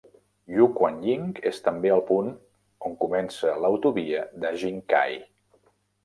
Yuquanying és també el punt on comença l'autovia de Jingkai.